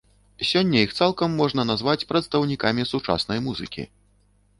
Сёння іх цалкам можна назваць прадстаўнікамі сучаснай музыкі.